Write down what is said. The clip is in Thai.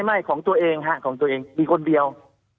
ไม่ของตัวเองฮะของตัวเองมีคนเดียว